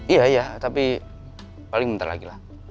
iya iya tapi paling mentah lagi lah